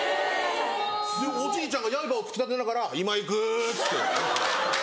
おじいちゃんがやいばを突き立てながら「今行く」っつって。